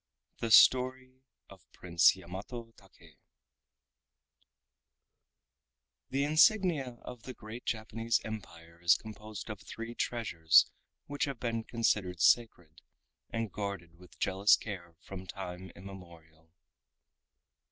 THE STORY OF PRINCE YAMATO TAKE The insignia of the great Japanese Empire is composed of three treasures which have been considered sacred, and guarded with jealous care from time immemorial.